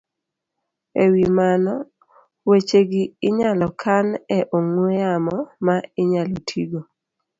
E wi mano, wechegi inyalo kan e ong'we yamo ma inyalo tigo